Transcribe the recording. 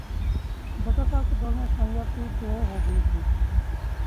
بھٹو صاحب کے دور میں اسلامیات بھی دو ہو گئی تھیں۔